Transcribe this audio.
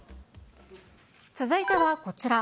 続いてはこちら。